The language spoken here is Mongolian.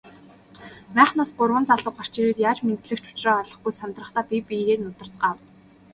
Майхнаас гурван залуу гарч ирээд яаж мэндлэх ч учраа олохгүй сандрахдаа бие биеэ нударцгаав.